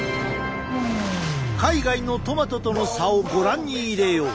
海外のトマトとの差をご覧に入れよう。